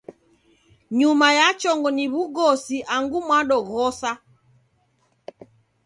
Nyuma ya chongo ni w'ugosi angu mwadoghosa.